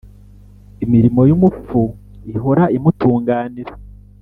imirimo y’umupfu ihora imutunganira,